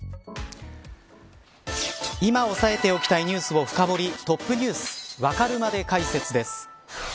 今押さえておきたいニュースを深堀りＴｏｐｎｅｗｓわかるまで解説です。